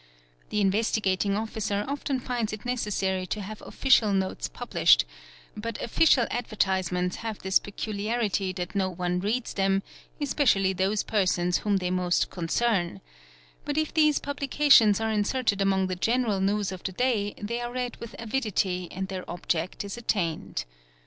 The Investigating Officer often finds it neces THE SPHERE OF THE PRESS 295 sary to have official notes published ; but official advertisements have this peculiarity that no one reads them, especially those persons whom they most concern ; but if these publications are inserted among the general news of the day they are read with avidity and their object is attained.